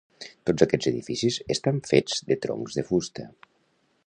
Tots aquests edificis estan fets de troncs de fusta.